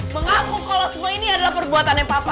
mengaku kalo semua ini adalah perbuatannya papa